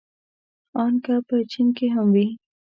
ان که په چين کې هم وي.